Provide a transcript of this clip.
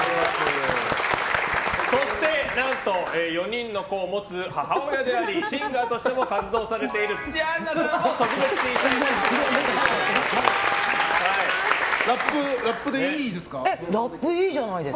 そして、何と４人の子を持つ母親でありシンガーとしても活動されている土屋アンナさんが特別審査員です。